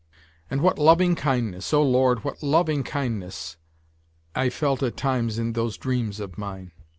And what loving kindness, oh Lord, what loving kindness I felt at times in those dreams of mine